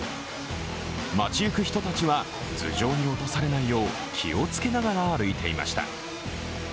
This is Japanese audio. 街行く人たちは頭上に落とされないよう気をつけながら歩いていました。